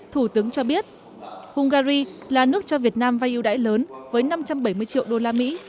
thủ tướng cho biết hungary là nước cho việt nam vay ưu đãi lớn với năm trăm bảy mươi triệu đô la mỹ